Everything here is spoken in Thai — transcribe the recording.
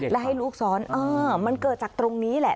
และให้ลูกซ้อนมันเกิดจากตรงนี้แหละ